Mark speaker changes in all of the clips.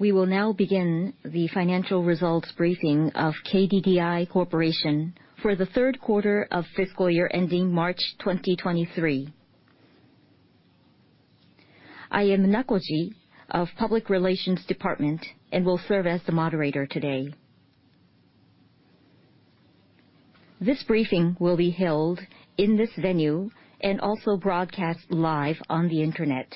Speaker 1: We will now begin the financial results briefing of KDDI Corporation for the third quarter of fiscal year ending March 2023. I am Nakoji of Public Relations Department and will serve as the moderator today. This briefing will be held in this venue and also broadcast live on the internet.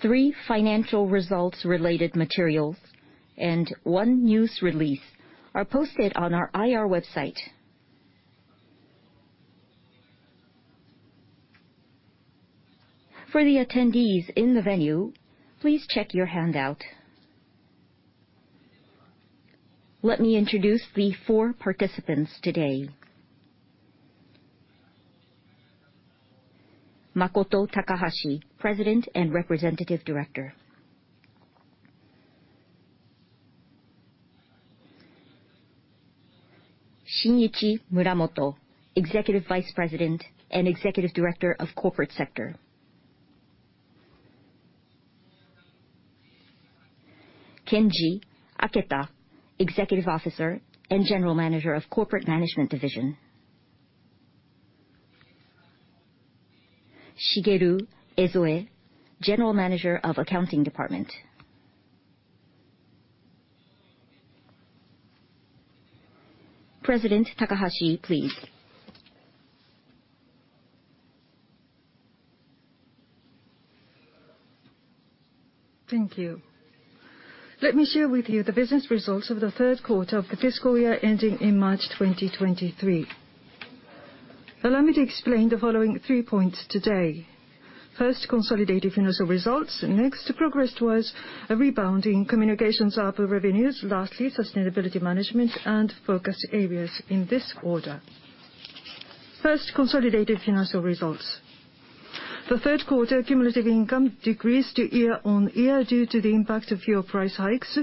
Speaker 1: Three financial results related materials and one news release are posted on our IR website. For the attendees in the venue, please check your handout. Let me introduce the four participants today. Makoto Takahashi, President and Representative Director. Shinichi Muramoto, Executive Vice President and Executive Director of Corporate Sector. Kenji Aketa, Executive Officer and General Manager of Corporate Management Division. Shigeru Ezoe, General Manager of Accounting Department. President Takahashi, please.
Speaker 2: Thank you. Let me share with you the business results of the third quarter of the fiscal year ending in March 2023. Allow me to explain the following three points today. First, consolidated financial results. Next, progress towards a rebound in communications ARPU revenues. Lastly, sustainability management and focus areas, in this order. First, consolidated financial results. The third quarter cumulative income decreased year-over-year due to the impact of fuel price hikes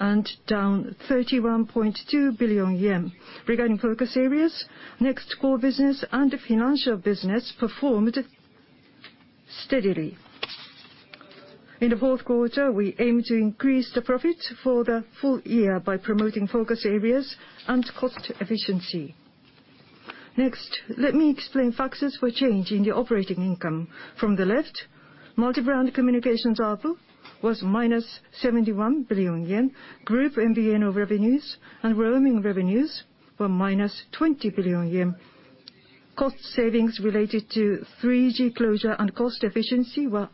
Speaker 2: and down 31.2 billion yen. Regarding focus areas, NEXT Core business and financial business performed steadily. In the fourth quarter, we aim to increase the profit for the full year by promoting focus areas and cost efficiency. Let me explain factors for change in the operating income. From the left, multi-brand communications ARPU was -71 billion yen. Group MVNO revenues and roaming revenues were -20 billion yen. Cost savings related to 3G closure and cost efficiency were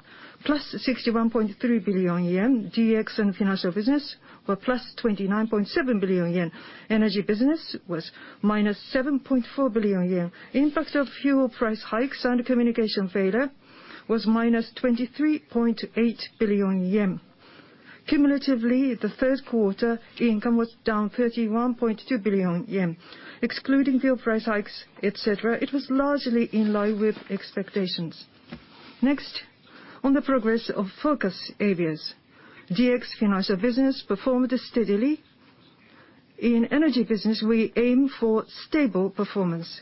Speaker 2: +61.3 billion yen. DX and financial business were +29.7 billion yen. Energy business was -7.4 billion yen. Impact of fuel price hikes and communication failure was -23.8 billion yen. Cumulatively, the third quarter income was -31.2 billion yen. Excluding fuel price hikes, et cetera, it was largely in line with expectations. Next, on the progress of focus areas. DX financial business performed steadily. In energy business, we aim for stable performance.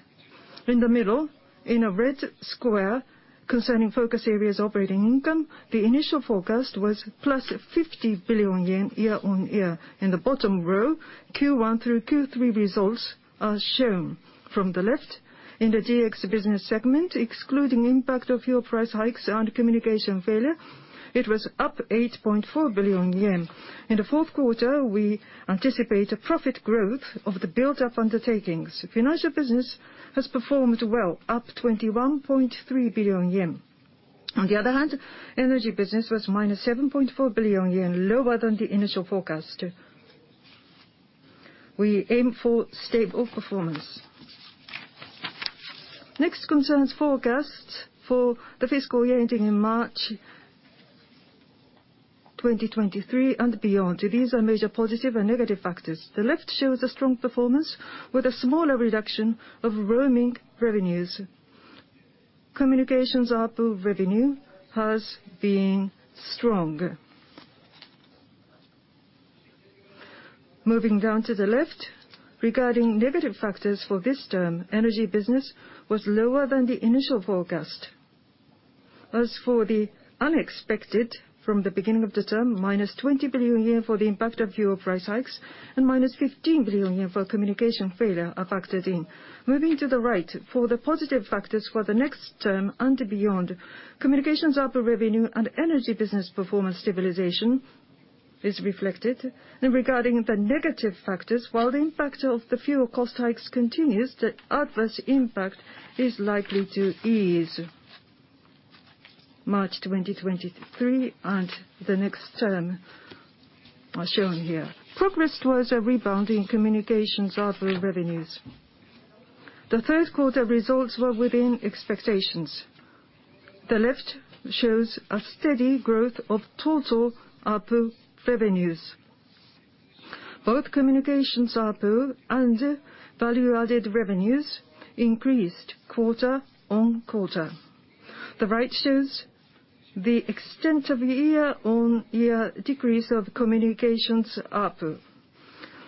Speaker 2: In the middle, in a red square, concerning focus areas operating income, the initial forecast was +50 billion yen year-on-year. In the bottom row, Q1 through Q3 results are shown. From the left, in the DX business segment, excluding impact of fuel price hikes and communication failure, it was up 8.4 billion yen. In the fourth quarter, we anticipate a profit growth of the built-up undertakings. Financial business has performed well, up 21.3 billion yen. On the other hand, energy business was -7.4 billion yen, lower than the initial forecast. We aim for stable performance. Next concerns forecasts for the fiscal year ending in March 2023 and beyond. These are major positive and negative factors. The left shows a strong performance with a smaller reduction of roaming revenues. Communications ARPU revenue has been strong. Moving down to the left, regarding negative factors for this term, energy business was lower than the initial forecast. As for the unexpected from the beginning of the term, minus 20 billion yen for the impact of fuel price hikes and minus 15 billion yen for communication failure are factored in. Moving to the right, for the positive factors for the next term and beyond, communications ARPU revenue and energy business performance stabilization is reflected. Regarding the negative factors, while the impact of the fuel cost hikes continues, the adverse impact is likely to ease. March 2023 and the next term are shown here. Progress towards a rebound in communications ARPU revenues. The third quarter results were within expectations. The left shows a steady growth of total ARPU revenues. Both communications ARPU and value-added revenues increased quarter-on-quarter. The right shows the extent of year-on-year decrease of communications ARPU.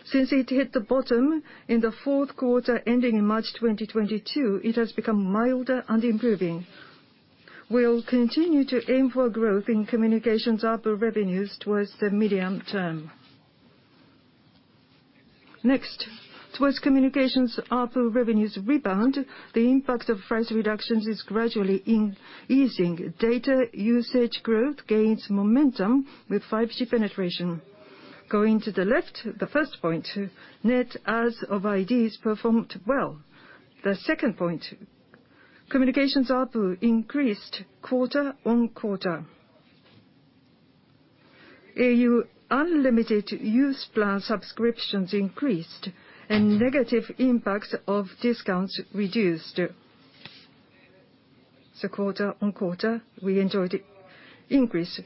Speaker 2: Since it hit the bottom in the fourth quarter ending in March 2022, it has become milder and improving. We'll continue to aim for growth in communications ARPU revenues towards the medium term. Towards communications ARPU revenues rebound, the impact of price reductions is gradually easing. Data usage growth gains momentum with 5G penetration. Going to the left, the first point, net adds of IDs performed well. The second point, communications ARPU increased quarter-on-quarter. au Unlimited Use Plan subscriptions increased, negative impacts of discounts reduced. Quarter-on-quarter, we enjoyed increase.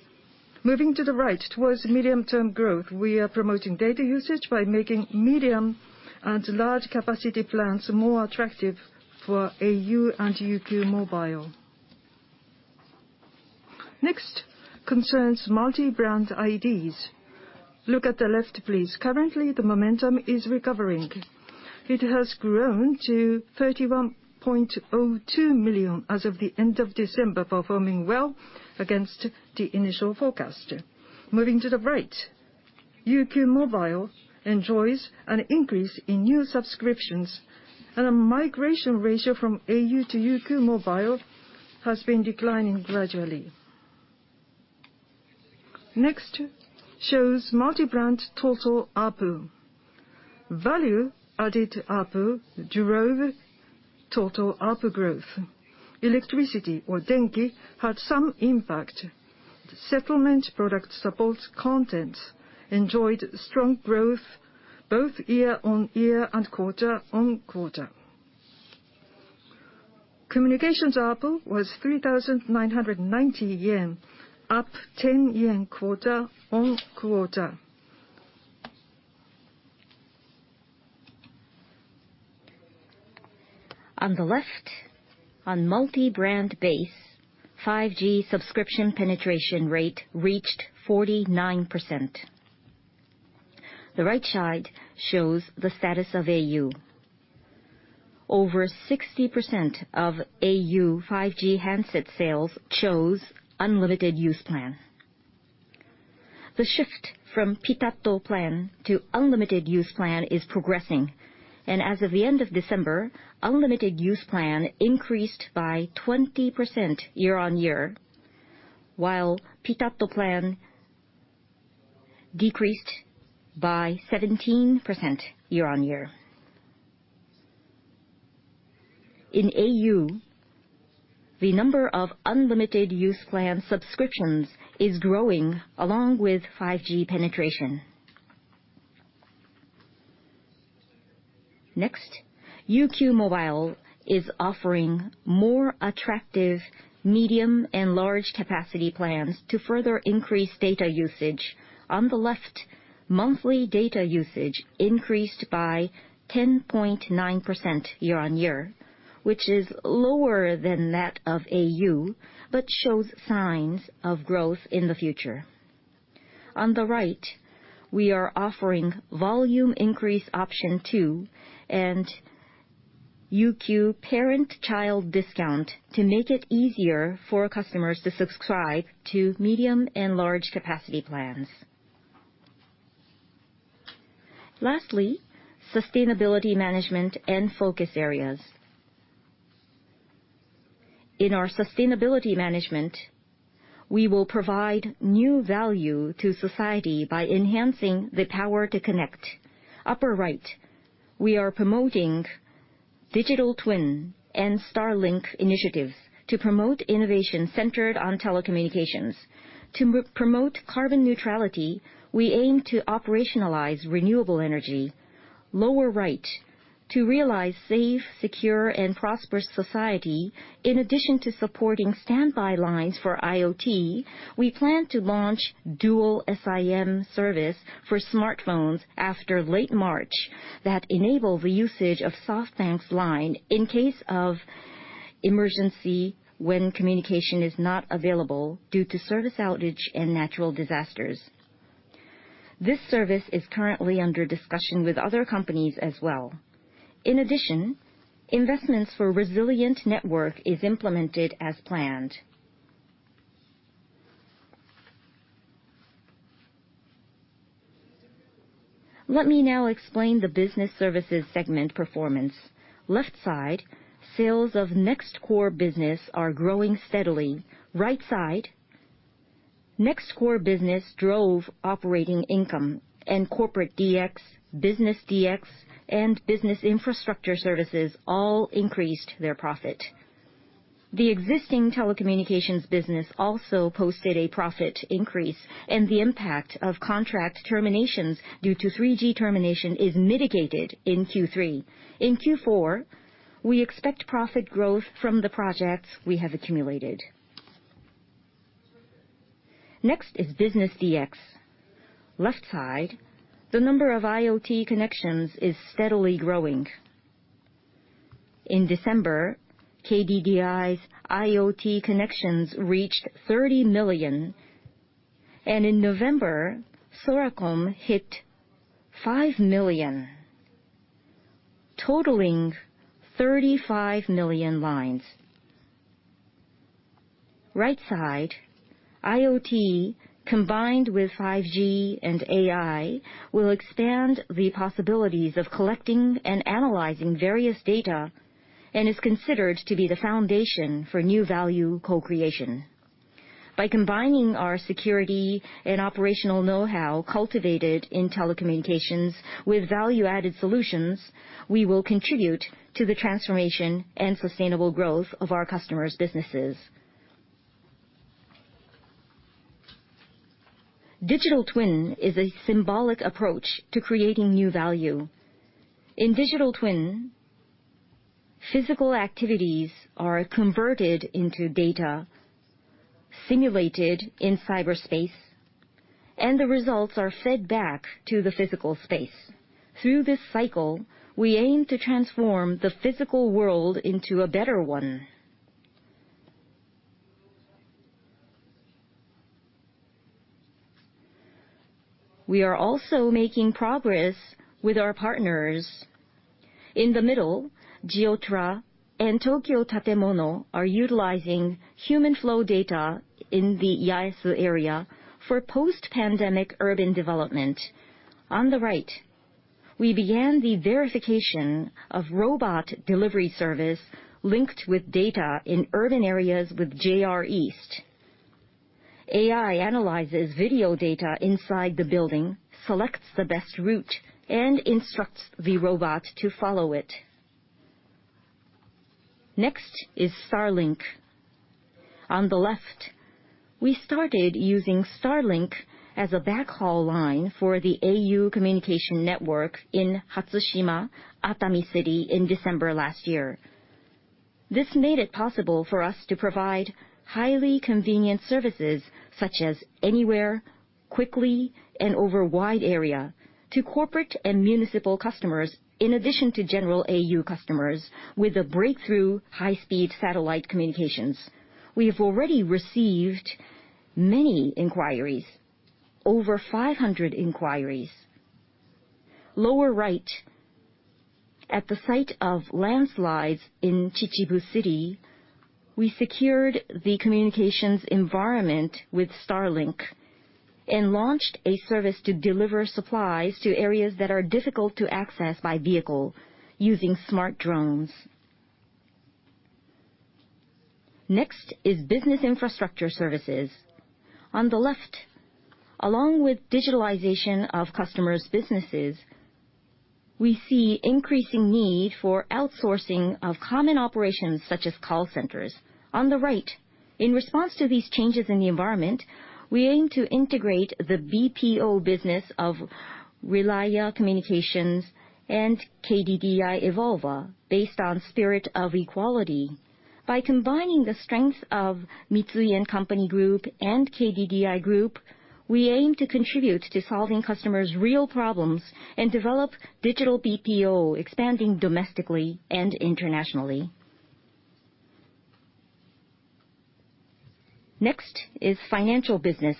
Speaker 2: Moving to the right, towards medium-term growth, we are promoting data usage by making medium and large capacity plans more attractive for au and UQ mobile. Concerns multi-brand IDs. Look at the left, please. Currently, the momentum is recovering. It has grown to 31.02 million as of the end of December, performing well against the initial forecast. Moving to the right, UQ mobile enjoys an increase in new subscriptions, and a migration ratio from au to UQ mobile has been declining gradually. Next shows multi-brand total ARPU. Value added ARPU drove total ARPU growth. Electricity, or Denki, had some impact. Settlement product support contents enjoyed strong growth both year-over-year and quarter-over-quarter. Communications ARPU was 3,990 yen, up 10 yen quarter-over-quarter. On the left, on multi-brand base, 5G subscription penetration rate reached 49%. The right side shows the status of au. Over 60% of au 5G handset sales chose Unlimited MAX. The shift from au Pitatto Plan to Unlimited MAX is progressing. As of the end of December, Unlimited MAX increased by 20% year on year, while au Pitatto Plan decreased by 17% year on year. In au, the number of Unlimited MAX subscriptions is growing along with 5G penetration. Next, UQ mobile is offering more attractive medium and large capacity plans to further increase data usage. On the left, monthly data usage increased by 10.9% year on year, which is lower than that of au, but shows signs of growth in the future. On the right, we are offering Volume Option II and UQ parent child discount to make it easier for customers to subscribe to medium and large capacity plans. Lastly, sustainability management and focus areas. In our sustainability management, we will provide new value to society by enhancing the power to connect. Upper right, we are promoting digital twin and Starlink initiatives to promote innovation centered on telecommunications. To promote carbon neutrality, we aim to operationalize renewable energy. Lower right, to realize safe, secure, and prosperous society, in addition to supporting standby lines for IoT, we plan to launch dual SIM service for smartphones after late March that enable the usage of SoftBank's line in case of emergency when communication is not available due to service outage and natural disasters. This service is currently under discussion with other companies as well. In addition, investments for resilient network is implemented as planned. Let me now explain the business services segment performance. Left side, sales of NEXT Core business are growing steadily. Right side, NEXT Core business drove operating income and corporate DX, business DX, and business infrastructure services all increased their profit. The existing telecommunications business also posted a profit increase, and the impact of contract terminations due to 3G termination is mitigated in Q3. In Q4, we expect profit growth from the projects we have accumulated. Next is business DX. Left side, the number of IoT connections is steadily growing. In December, KDDI's IoT connections reached 30 million. In November, Soracom hit 5 million, totaling 35 million lines. Right side, IoT combined with 5G and AI will expand the possibilities of collecting and analyzing various data, and is considered to be the foundation for new value co-creation. By combining our security and operational know-how cultivated in telecommunications with value-added solutions, we will contribute to the transformation and sustainable growth of our customers' businesses. Digital twin is a symbolic approach to creating new value. In digital twin, physical activities are converted into data simulated in cyberspace, and the results are fed back to the physical space. Through this cycle, we aim to transform the physical world into a better one. We are also making progress with our partners. In the middle, GEOTRA and Tokyo Tatemono are utilizing human flow data in the Yaesu area for post-pandemic urban development. On the right, we began the verification of robot delivery service linked with data in urban areas with JR East. AI analyzes video data inside the building, selects the best route, and instructs the robot to follow it. Next is Starlink. On the left, we started using Starlink as a backhaul line for the au communication network in Hatsushima, Atami City in December last year. This made it possible for us to provide highly convenient services such as anywhere, quickly, and over wide area to corporate and municipal customers, in addition to general au customers, with the breakthrough high-speed satellite communications. We have already received many inquiries, over 500 inquiries. Lower right, at the site of landslides in Chichibu City, we secured the communications environment with Starlink and launched a service to deliver supplies to areas that are difficult to access by vehicle using smart drones. Business infrastructure services. On the left, along with digitalization of customers businesses, we see increasing need for outsourcing of common operations such as call centers. On the right, in response to these changes in the environment, we aim to integrate the BPO business of Relia Communications and KDDI Evolva based on spirit of equality. By combining the strength of Mitsui & Company Group and KDDI Group, we aim to contribute to solving customers' real problems and develop digital BPO, expanding domestically and internationally. Next is financial business.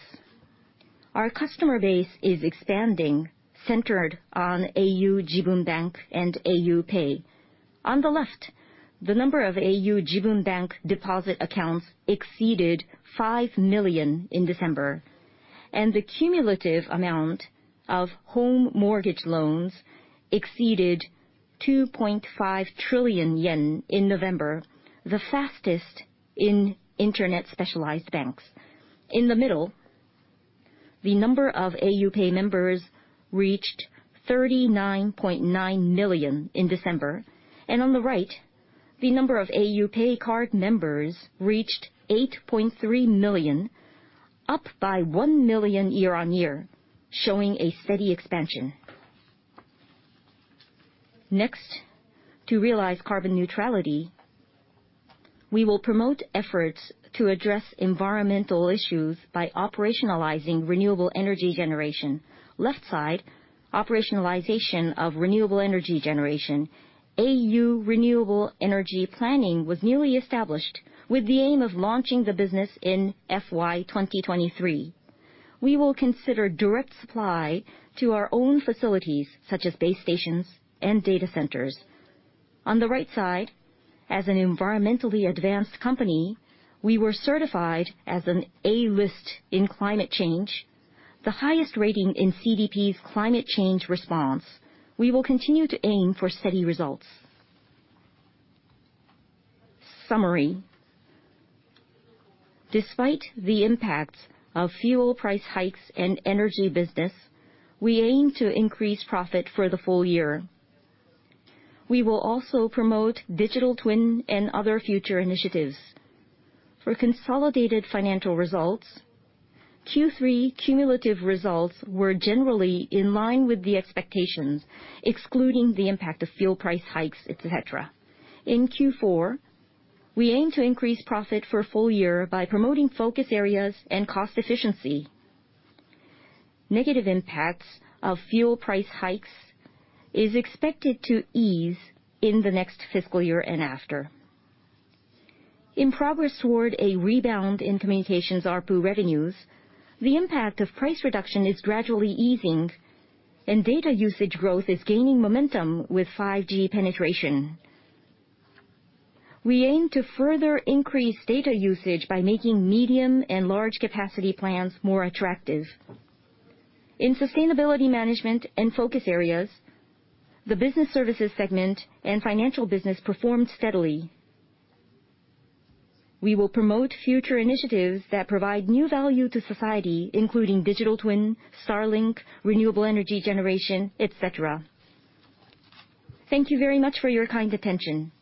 Speaker 2: Our customer base is expanding centered on au Jibun Bank and au PAY. On the left, the number of au Jibun Bank deposit accounts exceeded 5 million in December, and the cumulative amount of home mortgage loans exceeded 2.5 trillion yen in November, the fastest in Internet-specialized banks. In the middle, the number of au PAY members reached 39.9 million in December. On the right, the number of au PAY Card members reached 8.3 million, up by 1 million year-on-year, showing a steady expansion. Next, to realize carbon neutrality, we will promote efforts to address environmental issues by operationalizing renewable energy generation. Left side, operationalization of renewable energy generation. au Renewable Energy Planning was newly established with the aim of launching the business in FY 2023. We will consider direct supply to our own facilities, such as base stations and data centers. On the right side, as an environmentally advanced company, we were certified as an A List in climate change, the highest rating in CDP's climate change response. We will continue to aim for steady results. Summary. Despite the impact of fuel price hikes and energy business, we aim to increase profit for the full year. We will also promote digital twin and other future initiatives. For consolidated financial results, Q3 cumulative results were generally in line with the expectations, excluding the impact of fuel price hikes, et cetera. In Q4, we aim to increase profit for full year by promoting focus areas and cost efficiency. Negative impacts of fuel price hikes is expected to ease in the next fiscal year and after. In progress toward a rebound in communications ARPU revenues, the impact of price reduction is gradually easing, and data usage growth is gaining momentum with 5G penetration. We aim to further increase data usage by making medium and large capacity plans more attractive. In sustainability management and focus areas, the business services segment and financial business performed steadily. We will promote future initiatives that provide new value to society, including digital twin, Starlink, renewable energy generation, et cetera. Thank you very much for your kind attention.